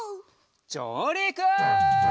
じょうりく！